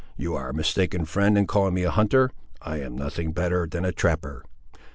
You are mistaken, friend, in calling me a hunter; I am nothing better than a trapper."